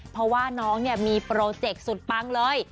เพราะว่าน้องมีโปรเจคสุดปังเลย